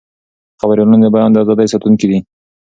خبریالان د بیان د ازادۍ ساتونکي دي.